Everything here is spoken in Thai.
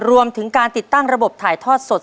รวมถึงการติดตั้งระบบถ่ายทอดสด